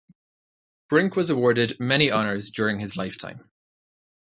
Brink was awarded many honors during his lifetime.